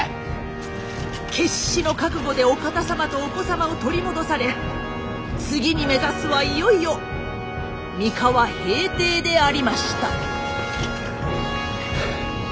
決死の覚悟でお方様とお子様を取り戻され次に目指すはいよいよ三河平定でありました。